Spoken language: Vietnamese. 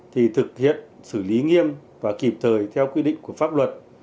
thì thực hiện xử lý nghiêm và kịp thời theo quy định của pháp luật